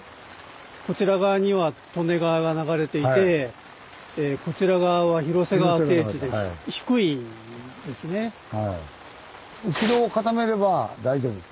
こちら側には利根川が流れていてこちら側は広瀬川低地です。